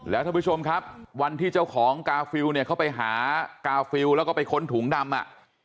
แล้วท่านผู้ชมครับวันที่เจ้าของกาฟิลเนี่ยเขาไปหากาฟิลแล้วก็ไปค้นถุงดำอ่ะ